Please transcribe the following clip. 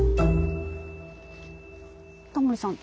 タモリさん